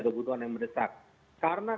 kebutuhan yang mendesak karena